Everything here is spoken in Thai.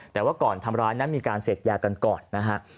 แต่ว่าก่อนทำร้ายนั้นมีการเสพยากันก่อนนะฮะ